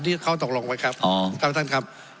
ที่เขาตกลงไปครับขอบคุณท่านครับ